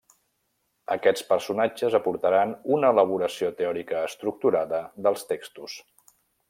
Aquests personatges aportaran una elaboració teòrica estructurada dels textos.